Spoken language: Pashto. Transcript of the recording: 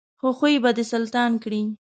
ښه خوی به دې سلطان کړي.